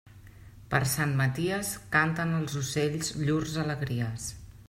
Per Sant Maties, canten els ocells llurs alegries.